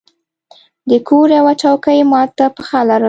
د کور یوه څوکۍ مات پښه لرله.